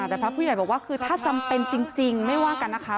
แต่พระผู้ใหญ่บอกว่าคือถ้าจำเป็นจริงไม่ว่ากันนะคะ